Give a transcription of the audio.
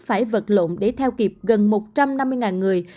phải vật lộn để theo kịp gần một trăm năm mươi người